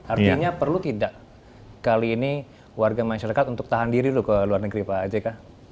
artinya perlu tidak kali ini warga masyarakat untuk tahan diri ke luar negeri pak jk